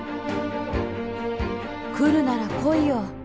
来るなら来いよ